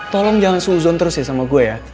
tolong jangan suzon terus ya sama gue ya